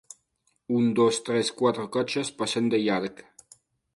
Un dos tres quatre cotxes passen de llarg.